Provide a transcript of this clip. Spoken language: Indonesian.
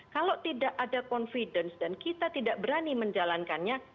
kalau tidak ada confidence dan kita tidak berani menjalankannya